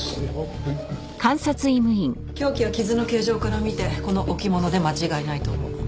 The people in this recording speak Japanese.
凶器は傷の形状から見てこの置物で間違いないと思う。